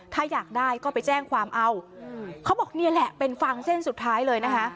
ถ้าอยากได้ก็ไปแจ้งความเอาเขาบอกนี่แหละเป็นฟังเส้นสุดท้ายเลยนะคะ